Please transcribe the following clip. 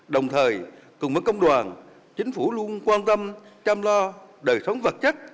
đồng thời cùng với công đoàn chính phủ luôn quan tâm chăm lo đời sống vật chất